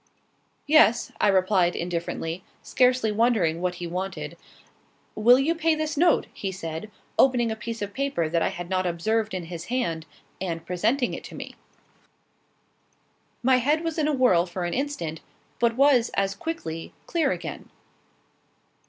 "Yes," I replied, indifferently, scarcely wondering what he wanted. "Will you pay this note?" he said, opening a piece of paper that I had not observed in his hand, and presenting it to me. My head was in a whirl for an instant, but was as quickly clear again.